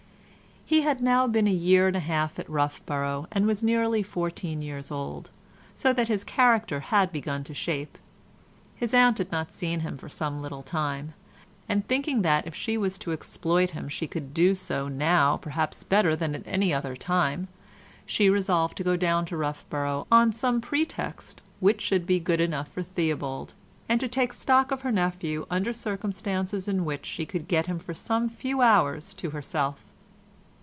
He had now been a year and a half at Roughborough and was nearly fourteen years old, so that his character had begun to shape. His aunt had not seen him for some little time and, thinking that if she was to exploit him she could do so now perhaps better than at any other time, she resolved to go down to Roughborough on some pretext which should be good enough for Theobald, and to take stock of her nephew under circumstances in which she could get him for some few hours to herself.